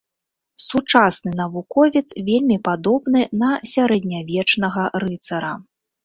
Сучасны навуковец вельмі падобны на сярэднявечнага рыцара.